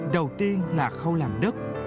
đầu tiên là khâu làm đất